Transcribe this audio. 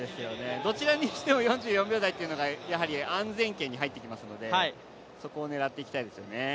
どちらにしろ４４秒台がやはり安全圏に入ってきますので、そこを狙っていきたいですね。